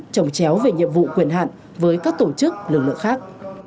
trồng chéo về nhiệm vụ quyền hạn với các tổ chức lực lượng khác